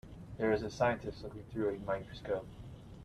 There is a scientist looking through a microscope.